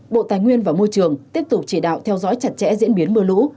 bộ tài nguyên và môi trường tiếp tục chỉ đạo theo dõi chặt chẽ diễn biến mưa lũ